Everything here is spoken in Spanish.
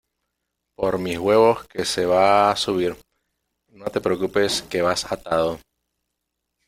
por mis huevos que se va a subir. no te preocupes que vas atado